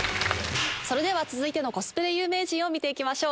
それでは続いてのコスプレ有名人見て行きましょう。